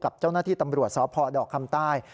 กับเจ้าหน้าที่ตำรวจสพดอกคำใต้